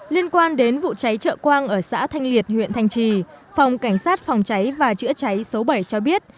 liên quan đến vụ cháy trợ quang ở xã thanh liệt huyện thanh trì phòng cảnh sát phòng cháy và chữa cháy số bảy cho biết